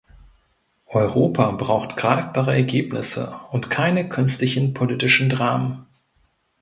Europa braucht greifbare Ergebnisse und keine künstlichen politischen Dramen.